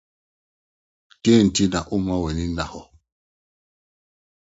Dɛn nti na worema w'ani ada hɔ?